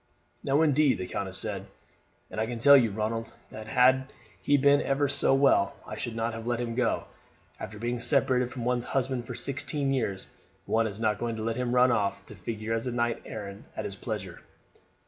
"No, indeed," the countess said; "and I can tell you, Ronald, that had he been ever so well I should not have let him go. After being separated from one's husband for sixteen years one is not going to let him run off to figure as a knight errant at his pleasure."